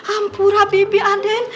ampura bibi aden